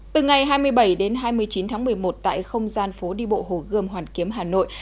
từ ngày hai mươi bảy đến hai mươi chín tháng một mươi một tại không gian phố đi bộ hồ gươm hoàn kiếm hà nội